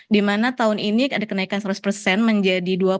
dimana tahun ini ada kenaikan seratus menjadi